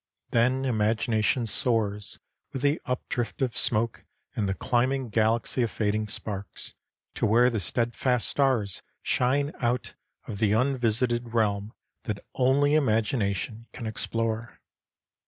Then imagination soars with the updrift of smoke and the climbing galaxy of fading sparks, to where the steadfast stars shine out of the unvisited realm that only imagination can explore.